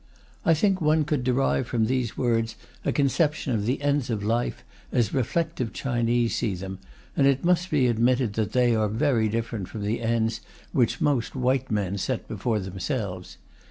I think one could derive from these words a conception of the ends of life as reflective Chinese see them, and it must be admitted that they are very different from the ends which most white men set before themselves.